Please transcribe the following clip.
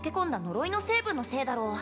呪いの成分のせいだろう